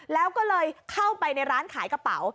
แล้วก็เลยเข้าไปในร้านขายกระเป๋า